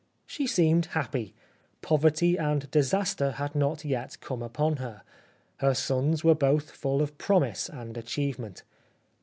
She seemed happy ; poverty and disaster had not yet come upon her ; her sons were both full of promise and achievement.